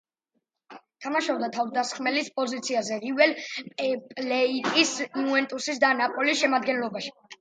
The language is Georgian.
თამაშობდა თავდამსხმელის პოზიციაზე რივერ პლეიტის, იუვენტუსის და ნაპოლის შემადგენლობაში.